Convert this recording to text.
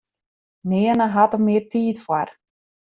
Nearne hat er mear tiid foar.